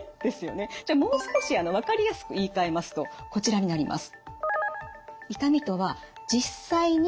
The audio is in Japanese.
じゃあもう少し分かりやすく言いかえますとこちらになります。